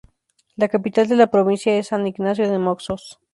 La capital de la provincia es San Ignacio de Moxos.